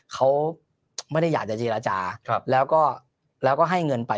เขาไม่ได้อยากจะเจรจาแล้วก็ให้เงินไป